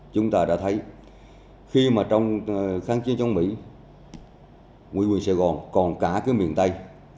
chúng ta đã thấy khi mà trong kháng chiến chống mỹ quyền sài gòn còn cả cái miền tây